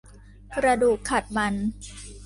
กระดูกขัดมัน